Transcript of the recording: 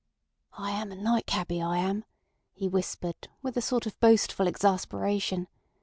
"I am a night cabby, I am," he whispered, with a sort of boastful exasperation.